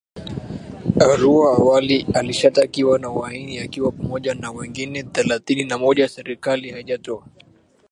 Arua awali alishatkiwa na uhaini akiwa pamoja na wengine thelathini na moja Serikali haijatoa